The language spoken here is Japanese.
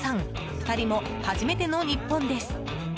２人も初めての日本です。